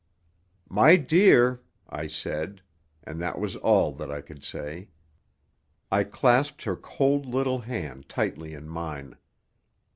"My dear!" I said; and that was all that I could say. I clasped her cold little hand tightly in mine.